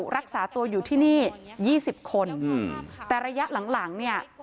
รักษาตัวอยู่ที่นี่๒๐คนแต่ระยะหลังหลังเนี่ย